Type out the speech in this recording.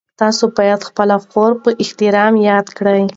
تاسو باید خپله خور په احترام یاده کړئ.